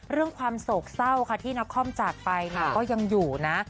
เรื่องความโสกเศร้าค่ะที่นักคอมจากไปก็ยังอยู่นะ